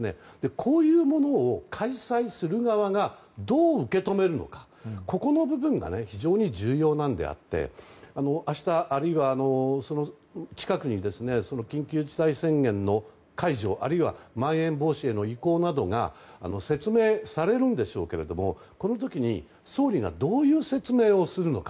こういうものを、開催する側がどう受け止めるのかここの部分が非常に重要なのであって明日、あるいは近くに緊急事態宣言の解除あるいはまん延防止への移行などが説明されるんでしょうけれどもこの時に、総理がどういう説明をするのか。